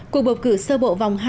cuộc bầu cử sơ bộ vòng hai